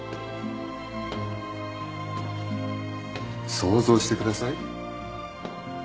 想像してください。